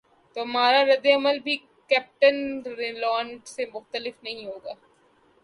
تو ہمارا رد عمل بھی کیپٹن رینالٹ سے مختلف نہیں ہوتا۔